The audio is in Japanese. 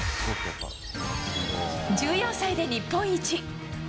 １４歳で日本一。